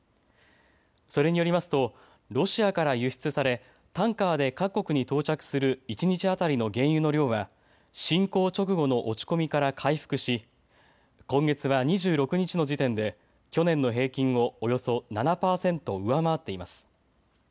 それによりますとロシアから輸出されタンカーで各国に到着する一日当たりの原油の量は侵攻直後の落ち込みから回復し今月は２６日の時点で去年の平均をおよそ７％上回っています。